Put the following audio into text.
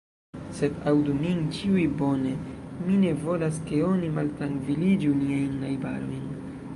Sed aŭdu min ĉiuj bone: mi ne volas, ke oni maltrankviligu niajn najbarojn.